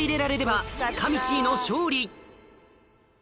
ばかみちぃの勝利・